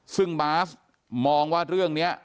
ซึ่งบาสมองว่าเรื่องนี้